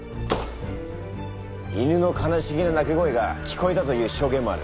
犬の悲しげな鳴き声が聞こえたという証言もある。